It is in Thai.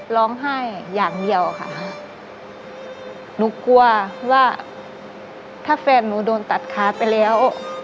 ร้องไห้อย่างเดียวค่ะหนูกลัวว่าถ้าแฟนหนูโดนตัดขาไปแล้ว